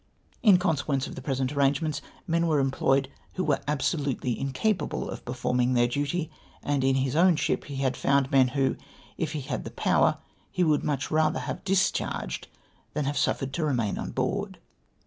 In consequence of the present arrangements, men were employed who were absolutely in capable of performing their duty, and in his own ship he had +bund men who, if he had the power, he would much rather nave discharged than have suffered to remain on board.